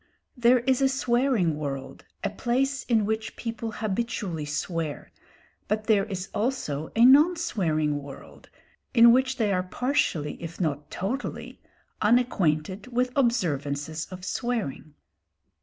There is a swearing world, a place in which people habitually swear, but there is also a non swearing world in which they are partially if not totally unacquainted with observances of swearing.